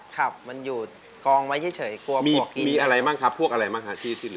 ครับมันอยู่กองไว้เฉยกลัวมีอะไรบ้างครับพวกอะไรบ้างฮะที่ที่เหลือ